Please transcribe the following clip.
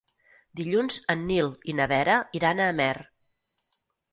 Dilluns en Nil i na Vera iran a Amer.